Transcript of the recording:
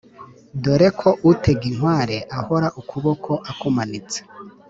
dore ko utega inkware ahora ukuboko akumanitse